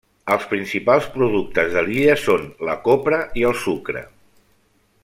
Els principals productes de l'illa són la copra i el sucre.